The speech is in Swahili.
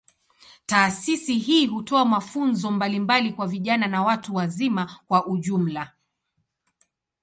Taasisi hii hutoa mafunzo mbalimbali kwa vijana na watu wazima kwa ujumla.